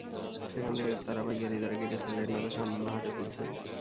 সেখান থেকে তাঁরা পাইকারি দরে কিনে সিলেট নগরসহ অন্যান্য হাটে তুলছেন।